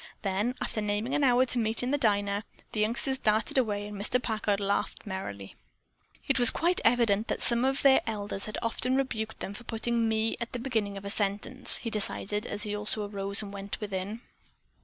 Then, after naming an hour to meet in the diner, the youngsters darted away and Mr. Packard laughed merrily. It was quite evident that some one of their elders had often rebuked them for putting "me" at the beginning of a sentence, he decided as he also arose and went within.